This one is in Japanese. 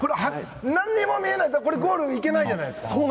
何も見えない、ゴールにいけないんじゃないですか。